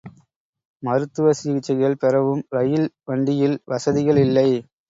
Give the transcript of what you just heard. மருத்துவ சிகிச்சைகள் பெறவும் ரயில் வண்டியில் வசதிகள் இல்லை.